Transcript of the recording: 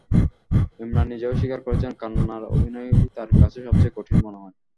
ইমরান নিজেও স্বীকার করেছেন, কান্নার অভিনয়ই তাঁর কাছে সবচেয়ে কঠিন মনে হয়।